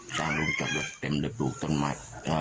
เป็นลึกดูกต้นไม้อ่๋อ